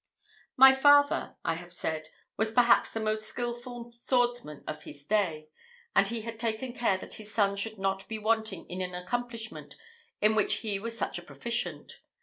My father, I have said, was perhaps the most skilful swordsman of his day; and he had taken care that his son should not be wanting in an accomplishment in which he was such a proficient.